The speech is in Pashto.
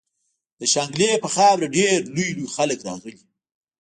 د شانګلې پۀ خاوره ډېر لوئ لوئ خلق راغلي